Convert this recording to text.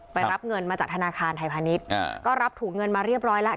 รับเงินมาจากธนาคารไทยพาณิชย์ก็รับถุงเงินมาเรียบร้อยแล้ว